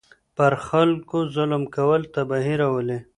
پر خلکو ظلم کول تباهي راولي.